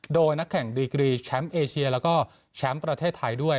โดยนักแข่งดีกรีแชมป์เอเชียแล้วก็แชมป์ประเทศไทยด้วย